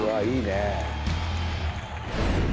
いいね。